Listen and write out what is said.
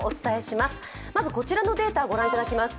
まず、こちらのデータ御覧いただきます。